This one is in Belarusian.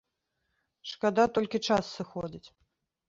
Шкада толькі, час сыходзіць.